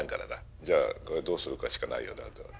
じゃあどうするかしかないよな後はね。